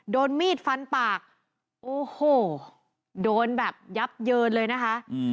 โดนมีดฟันปากโอ้โหโดนแบบยับเยินเลยนะคะ